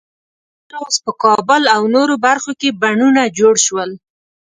دغه راز په کابل او نورو برخو کې بڼونه جوړ شول.